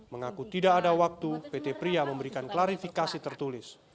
mengaku tidak ada waktu pt pria memberikan klarifikasi tertulis